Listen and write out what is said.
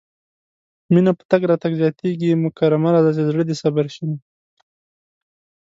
مينه په تګ راتګ زياتيږي مونږ کره مه راځه چې زړه دې صبر شينه